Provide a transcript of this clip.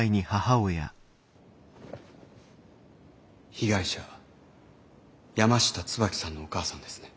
被害者山下椿さんのお母さんですね？